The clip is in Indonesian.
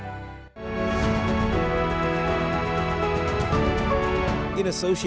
tapi selama bumdes sudah terpenaruh untuk telah tertentu dalam kestood scripture